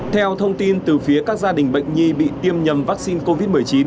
theo thông tin từ phía các gia đình bệnh nhi bị tiêm nhầm vaccine covid một mươi chín